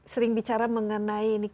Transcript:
sering bicara mengenai ini